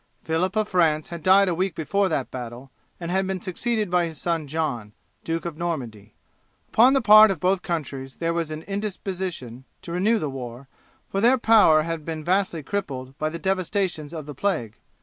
Phillip of France had died a week before that battle, and had been succeeded by his son John, Duke of Normandy. Upon the part of both countries there was an indisposition to renew the war, for their power had been vastly crippled by the devastations of the plague.